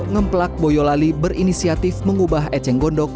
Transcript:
ngeplak boyolali berinisiatif mengubah eceng gondok